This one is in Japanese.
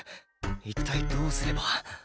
一体どうすれば